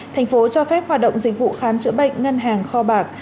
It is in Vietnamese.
thành phố cho phép hoạt động dịch vụ khám chữa bệnh ngân hàng kho bạc